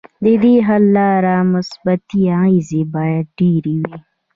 ددې حل لارو مثبتې اغیزې باید ډیرې وي.